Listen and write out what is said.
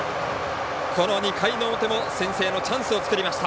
この２回の表も先制のチャンスを作りました。